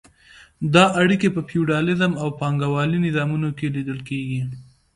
دا اړیکې په فیوډالیزم او پانګوالۍ نظامونو کې لیدل کیږي.